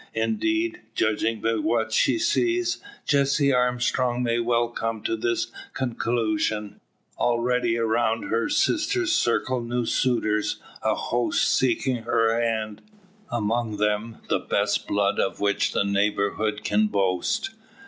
Indeed, judging by what she sees, Jessie Armstrong may well come to this conclusion. Already around her sister circle new suitors; a host seeking her hand. Among them the best blood of which the neighbourhood can boast.